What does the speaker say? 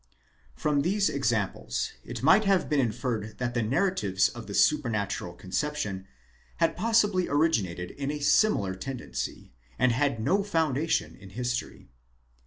® From these examples it might have been inferred that the narratives of the supernatural conception had possibly originated in a similar tendency, and had no foundation in history.